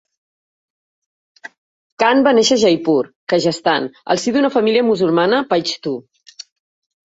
Khan va néixer a Jaipur, Rajasthan, al si d'una família musulmana paixtu.